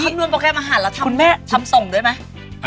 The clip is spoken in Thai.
ครั้งนวนโปรแกรปอาหารแล้วทำส่งด้วยไหม